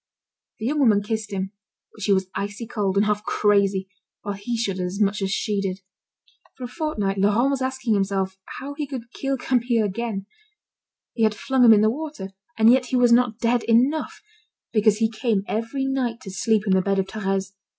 The young woman kissed him, but she was icy cold, and half crazy, while he shuddered as much as she did. For a fortnight Laurent was asking himself how he could kill Camille again. He had flung him in the water; and yet he was not dead enough, because he came every night to sleep in the bed of Thérèse.